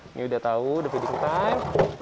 ini udah tahu the feeding time